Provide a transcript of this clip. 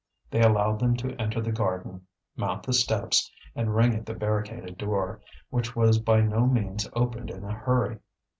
They allowed them to enter the garden, mount the steps, and ring at the barricaded door, which was by no means opened in a hurry.